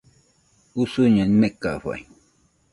Usuño nekafaɨ